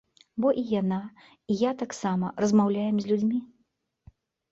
Бо і яна, і я таксама размаўляем з людзьмі.